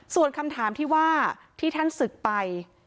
ส่วนคำถามที่ว่าที่ท่านศึกไป